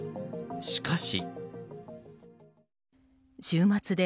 しかし。